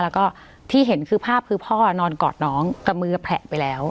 แล้วก็ที่เห็นคือภาพคือพ่อนอนกอดน้องกับมือแผลไปแล้ว